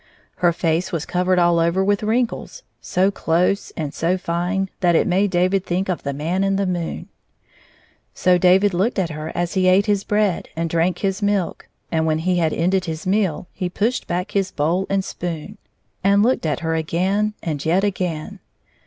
Her face was covered all over with wrinkles, so close and so fine that it made David think of the Man in the moon. So David looked at her as he ate his bread and drank his milk, and when he had ended his meal he pushed back his bowl and spoon, and looked at ii6 lier again and yet again.